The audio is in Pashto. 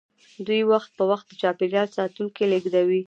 دوی وخت په وخت د چاپیریال ساتونکي لیږدوي